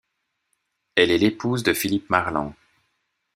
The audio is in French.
Elle est l'épouse de Philippe Marland.